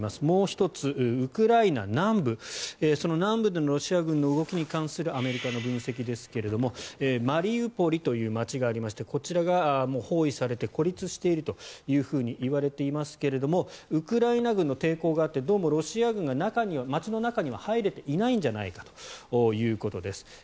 もう１つ、ウクライナ南部その南部でのロシア軍の動きに関するアメリカの分析ですがマリウポリという街がありましてこちらが包囲されて孤立されているといわれていますがウクライナ軍の抵抗があってどうもロシア軍が街の中には入れていないんじゃないかということです。